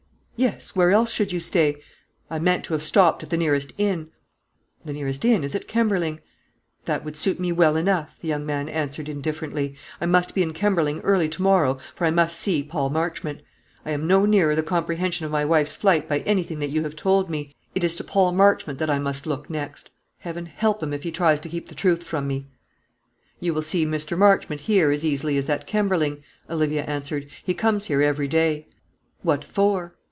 "Yes; where else should you stay?" "I meant to have stopped at the nearest inn." "The nearest inn is at Kemberling." "That would suit me well enough," the young man answered indifferently; "I must be in Kemberling early to morrow, for I must see Paul Marchmont. I am no nearer the comprehension of my wife's flight by anything that you have told me. It is to Paul Marchmont that I must look next. Heaven help him if he tries to keep the truth from me." "You will see Mr. Marchmont here as easily as at Kemberling," Olivia answered; "he comes here every day." "What for?"